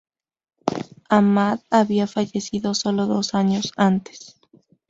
Ahmad había fallecido solo dos años antes.